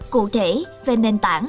cụ thể về nền tảng